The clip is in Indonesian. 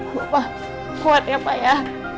wah kuat ya pak ya